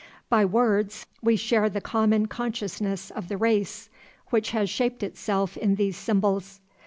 By words we share the common consciousness of the race, which has shaped itself in these symbols.